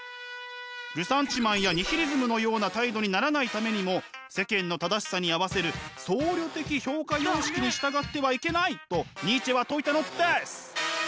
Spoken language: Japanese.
ルサンチマンやニヒリズムのような態度にならないためにも世間の正しさに合わせる僧侶的評価様式に従ってはいけないとニーチェは説いたのです！